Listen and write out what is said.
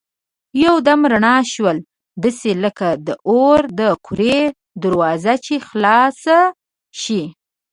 یو دم رڼا شول داسې لکه د اور د کورې دروازه چي خلاصه شي.